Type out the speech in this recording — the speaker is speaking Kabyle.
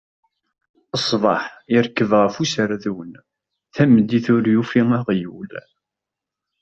Ṣṣbeḥ irkeb ɣef userdun, tameddit ur yufi aɣyul.